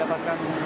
dan perusahaan ini